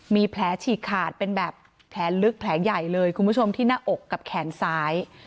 มีแผลฉีกขาดเป็นแบบแผลลึกแผลใหญ่เลยคุณผู้ชมที่หน้าอกกับแขนซ้าย